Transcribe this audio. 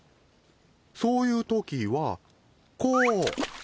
そういうときはこう。